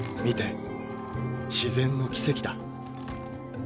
見て自然の奇跡だ。